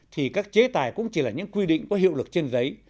thì các chế tài cũng chỉ là những quy định có hiệu lực trên giấy